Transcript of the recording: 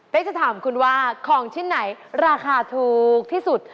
เป็นจะถามคุณว่าของชิ้นไหนราคาถูกที่สุด